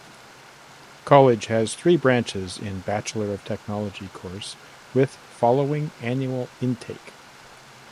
College has three branches in Bachelor of Technology course with following annual intake.